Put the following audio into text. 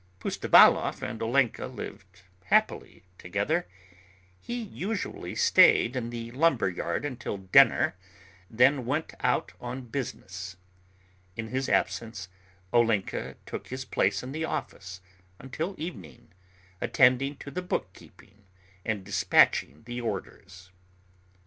Pustovalov and Olenka lived happily together. He usually stayed in the lumber yard until dinner, then went out on business. In his absence Olenka took his place in the office until evening, attending to the book keeping and despatching the orders.